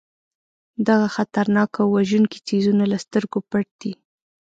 دغه خطرناک او وژونکي څیزونه له سترګو پټ دي.